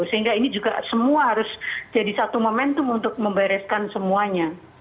sehingga ini juga semua harus jadi satu momentum untuk membereskan semuanya